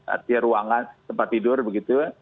artinya ruangan tempat tidur begitu